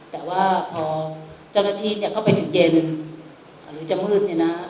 แต่ว่าพอเจ้าหน้าที่เข้าไปถึงเย็นหรือจะมืดเนี่ยนะ